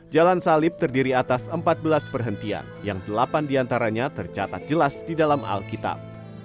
jalan salib terdiri atas empat belas perhentian yang delapan diantaranya tercatat jelas di dalam alkitab